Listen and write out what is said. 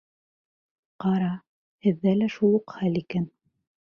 Ҡара, һеҙҙә лә шул уҡ хәл икән.